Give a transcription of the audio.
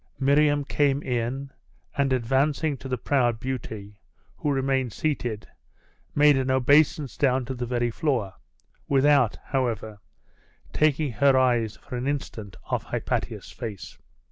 Miriam came in, and advancing to the proud beauty, who remained seated, made an obeisance down to the very floor, without, however, taking her eyes for an instant off Hypatia's face.